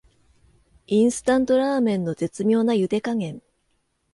インスタントラーメンの絶妙なゆで加減